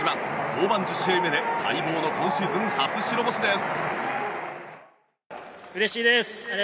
登板１０試合目で待望の今シーズン初白星です。